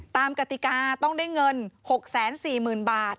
กติกาต้องได้เงิน๖๔๐๐๐บาท